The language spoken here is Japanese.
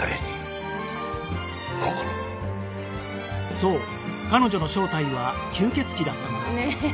そう彼女の正体は吸血鬼だったのだねえ